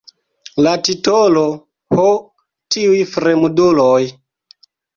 La titolo "Ho, tiuj fremduloj!